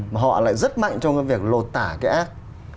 mà họ lại rất mạnh trong cái việc lột tả cái ác